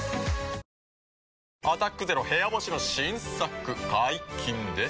「アタックＺＥＲＯ部屋干し」の新作解禁です。